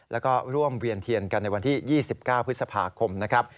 แล้วก็ร่วมเวียนเทียนกันในวันที่๒๙พฤษภาคมนะครับ